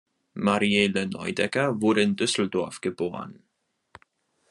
Mariele Neudecker wurde in Düsseldorf geboren.